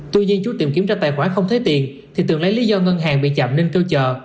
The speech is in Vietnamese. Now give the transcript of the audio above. tuy nhiên chú tìm kiếm ra tài khoản không thấy tiền thì tường lấy lý do ngân hàng bị chạm nên kêu chờ